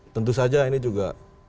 tentu saja ini juga